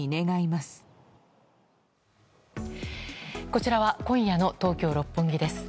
こちらは今夜の東京・六本木です。